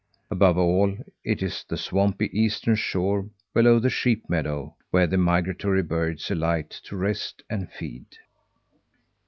Above all, it is the swampy eastern shore below the sheep meadow, where the migratory birds alight, to rest and feed.